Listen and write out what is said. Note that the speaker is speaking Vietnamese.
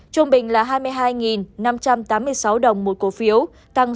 trung bình là hai mươi hai năm trăm tám mươi sáu đồng một cổ phiếu tăng sáu mươi bốn